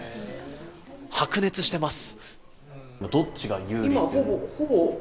白熱してます。